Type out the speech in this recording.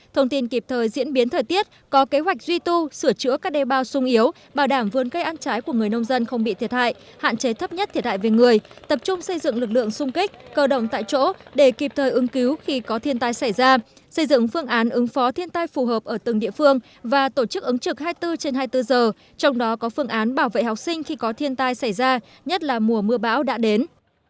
thông tin kịp thời diễn biến thời tiết có kế hoạch duy tu sửa chữa các đe bao sung yếu bảo đảm vươn cây ăn trái của người nông dân không bị thiệt hại hạn chế thấp nhất thiệt hại về người tập trung xây dựng lực lượng sung kích cơ động tại chỗ để kịp thời ứng cứu khi có thiên tai xảy ra xây dựng phương án ứng phó thiên tai phù hợp ở từng địa phương và tổ chức ứng trực hai mươi bốn trên hai mươi bốn giờ trong đó có phương án bảo vệ học sinh khi có thiên tai xảy ra nhất là mùa mưa bão đã đến